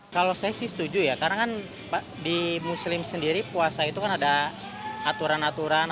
kalau saya sih setuju ya karena kan di muslim sendiri puasa itu kan ada aturan aturan